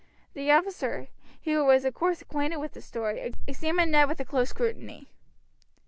The officer, who was of course acquainted with the story, examined Ned with a close scrutiny.